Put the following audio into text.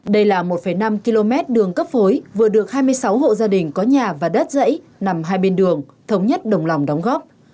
đây là một năm km đường cấp phối vừa được hai mươi sáu hộ gia đình có nhà và đất dãy nằm hai bên đường thống nhất đồng lòng đóng góp